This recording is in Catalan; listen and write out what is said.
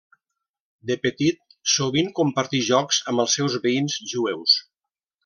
De petit sovint compartí jocs amb els seus veïns jueus.